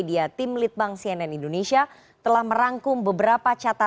ya serahkan masyarakat pak saya